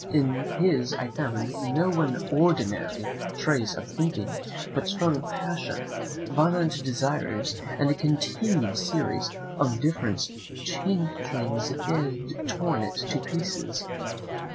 In his I found no one ordinary trace of thinking; but strong passion, violent desires, and a continued series of different changes had torn it to pieces.